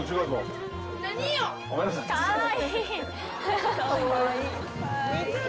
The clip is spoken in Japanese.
かわいい。